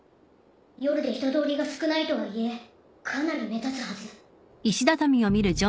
夜で人通りが少ないとはいえかなり目立つはず。